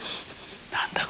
何だ？